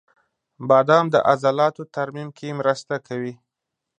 • بادام د عضلاتو ترمیم کې مرسته کوي.